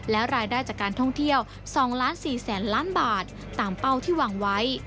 และรายได้จากการท่องเที่ยว๒๔๐๐๐ล้านบาทตามเป้าที่วางไว้